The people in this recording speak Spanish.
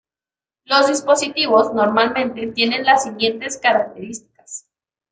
Los dispositivos, normalmente tienen las siguientes características.